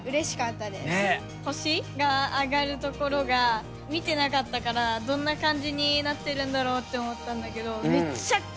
星が上がるところが見てなかったからどんな感じになってるんだろうって思ったんだけどめっちゃくちゃ